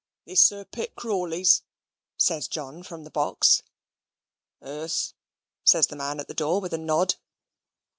"This Sir Pitt Crawley's?" says John, from the box. "Ees," says the man at the door, with a nod.